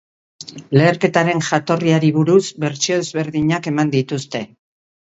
Leherketaren jatorriari buruz bertsio ezberdinak eman dituzte.